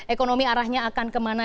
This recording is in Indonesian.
ekonomi arahnya akan kemana